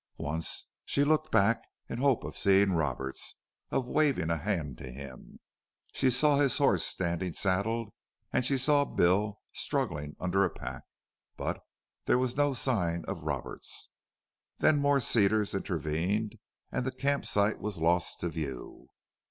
Once she looked back in hope of seeing Roberts, of waving a hand to him. She saw his horse standing saddled, and she saw Bill struggling under a pack, but there was no sign of Roberts. Then more cedars intervened and the camp site was lost to view.